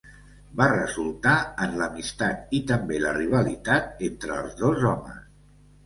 Va resultar en l'amistat i també la rivalitat entre els dos homes.